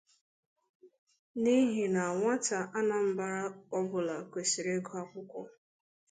n'ihi na nwata Anambra ọbụla kwesiri ịgụ akwụkwọ